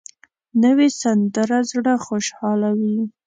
نوې سندره زړه خوشحالوي